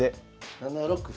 ７六歩。